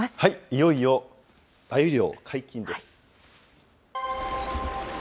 いよいよ、あゆ漁解禁です。